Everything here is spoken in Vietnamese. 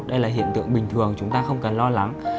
đây là hiện tượng bình thường chúng ta không cần lo lắng